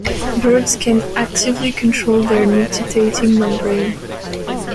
Birds can actively control their nictitating membrane.